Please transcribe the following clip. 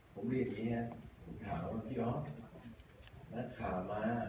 ผมเรียนอย่างนี้นะฮะผมถามมาว่าพี่อ๊อคร์นักข่าวมาพี่อ๊อกจะปากอะไร